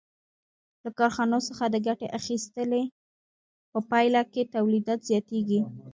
له کارخانو څخه د ګټې اخیستنې په پایله کې تولیدات زیاتېږي